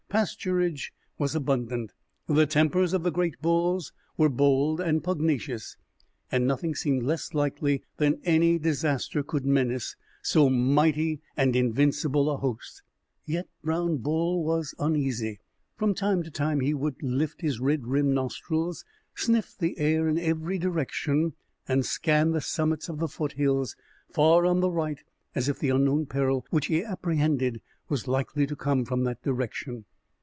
Pasturage was abundant, the tempers of the great bulls were bold and pugnacious, and nothing seemed less likely than that any disaster could menace so mighty and invincible a host. Yet Brown Bull was uneasy. From time to time he would lift his red rimmed nostrils, sniff the air in every direction, and scan the summits of the foothills far on the right, as if the unknown peril which he apprehended was likely to come from that direction.